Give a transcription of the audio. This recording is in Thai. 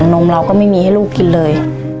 นมเราก็ไม่มีให้ลูกกินเลย